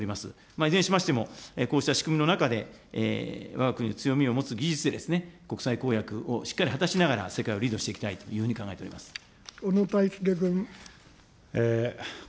いずれにしましても、こうした仕組みの中でわが国の強みを持つで、国際公約をしっかり果たしながら、世界をリードしていきたいというふうに考えてお小野泰輔